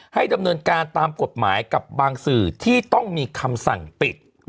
ให้ดำเนินการตามกฎหมายกับบางสื่อที่ต้องมีคำสั่งปิด